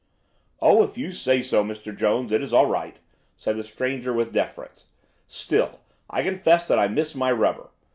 "Oh, if you say so, Mr. Jones, it is all right," said the stranger with deference. "Still, I confess that I miss my rubber.